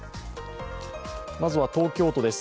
まずは東京都です。